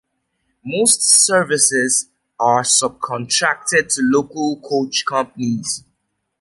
Most services are subcontracted to local coach companies.